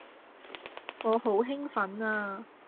我好興奮呀